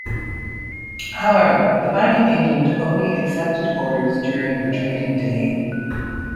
However, the Bank of England only accepted orders during the trading day.